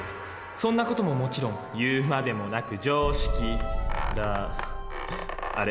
そんな事ももちろん言うまでもなく常識だあれ？